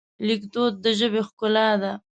لیکدود د ژبې ښکلا ده.